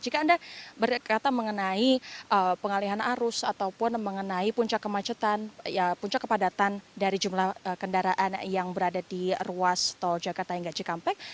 jika anda berkata mengenai pengalihan arus ataupun mengenai puncak kemacetan ya puncak kepadatan dari jumlah kendaraan yang berada di ruas tol jakarta hingga cikampek